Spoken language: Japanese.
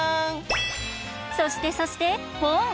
そしてそしてポン！